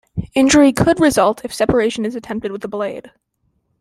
Injury could result if separation is attempted with a blade.